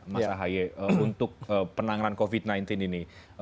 mas ahaye untuk penanganan covid sembilan belas ini